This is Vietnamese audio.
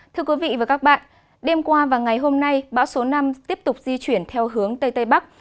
thưa quý vị và các bạn đêm qua và ngày hôm nay bão số năm tiếp tục di chuyển theo hướng tây tây bắc